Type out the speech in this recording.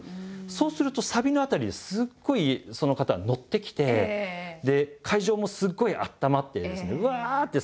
そうするとサビの辺りですっごいその方のってきてで会場もすっごいあったまってですねうわ！って